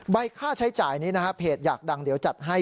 ค่าใช้จ่ายนี้นะฮะเพจอยากดังเดี๋ยวจัดให้